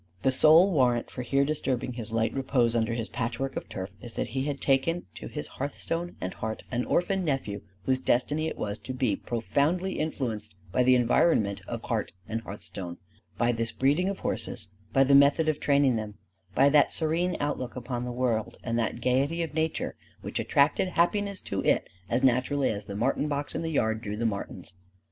The sole warrant for here disturbing his light repose under his patchwork of turf is that he had taken to his hearthstone and heart an orphan nephew, whose destiny it was to be profoundly influenced by the environment of heart and hearthstone: by this breeding of horses, by the method of training them; by that serene outlook upon the world and that gayety of nature which attracted happiness to it as naturally as the martin box in the yard drew the martins.